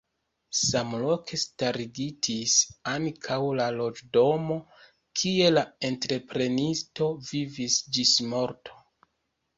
Samloke starigitis ankaŭ la loĝdomo kie la entreprenisto vivis ĝismorte.